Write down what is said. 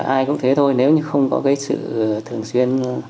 ai cũng thế thôi nếu như không có cái sự thường xuyên